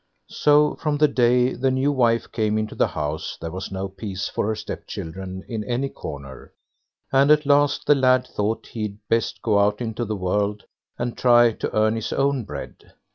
So from the day the new wife came into the house there was no peace for her stepchildren in any corner; and at last the lad thought he'd best go out into the world, and try to earn his own bread.